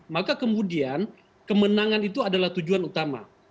maka kemudian kemenangan itu adalah tujuan utama